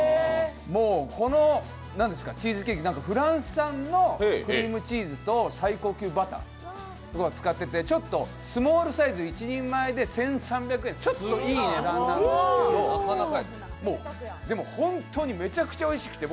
このチーズケーキ、フランス産のクリームチーズと最高級バターをつかっていて、スモールサイズ、１人前で１３００円と、ちょっといい値段なんですけど、でも本当にめちゃくちゃおいしくて。